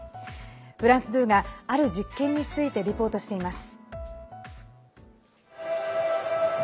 フランス２が、ある実験についてリポートしています。